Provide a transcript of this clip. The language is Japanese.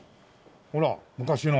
ほら昔の。